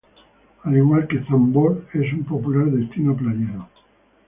Al igual que Zandvoort, es un popular destino playero.